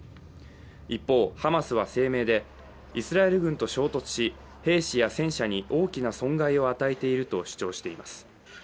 一方、ハマスは声明で、イスラエル軍と衝突し兵士や戦車に大きな損害を与えていると主張しています。